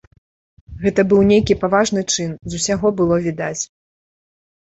Гэта быў нейкі паважны чын, з усяго было відаць.